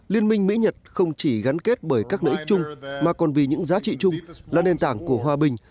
liên minh mỹ nhật không chỉ gắn kết bởi các lợi ích chung mà còn vì những giá trị chung là nền tảng của hòa bình